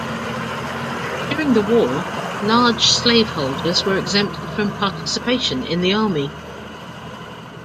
During the war, large slaveholders were exempted from participation in the army.